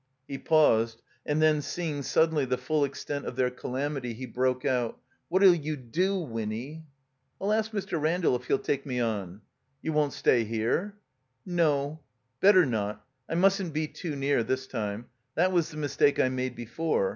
He paused, and then seeing suddenly the full ex tent of their calamity, he broke out. ••What '11 you do, Winny?" '•I'll ask Mr. Randall if he'll take me on." ••You won't stay here?" ••No. Better not. I mustn't be too near, this time. That was the mistake I made before.